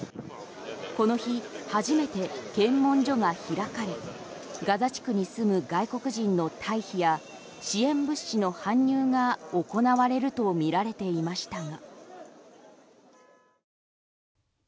この日初めて検問所が開かれガザ地区に住む外国人の退避や支援物資の搬入が行われるとみられていましたが。